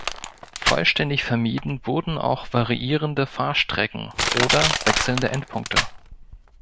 Vollständig vermieden wurden auch variierende Fahrstrecken oder wechselnde Endpunkte.